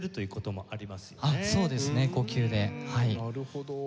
なるほど。